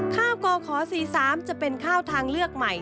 ข้าวกขสี่สามจะเป็นข้าวทางเลือกใหม่